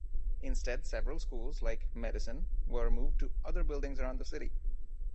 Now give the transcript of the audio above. Instead several schools, like Medicine, were moved to other buildings around the city.